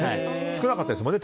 少なかったですもんね